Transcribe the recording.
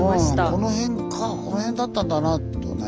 この辺かこの辺だったんだなとね。